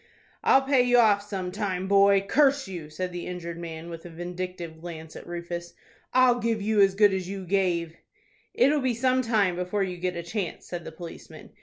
"I'll pay you off some time, boy, curse you!" said the injured man, with a vindictive glance at Rufus. "I'll give you as good as you gave." "It'll be some time before you get a chance," said the policeman.